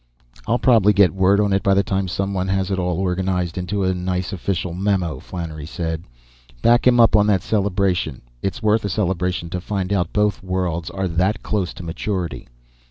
"I'll probably get word on it by the time someone has it all organized into a nice, official memo," Flannery said. "Back him up on that celebration. It's worth a celebration to find out both worlds are that close to maturity.